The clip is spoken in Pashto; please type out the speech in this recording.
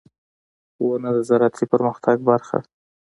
• ونه د زراعتي پرمختګ برخه ده.